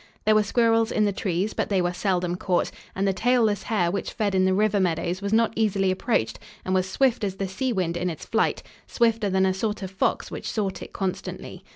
There were squirrels in the trees, but they were seldom caught, and the tailless hare which fed in the river meadows was not easily approached and was swift as the sea wind in its flight, swifter than a sort of fox which sought it constantly.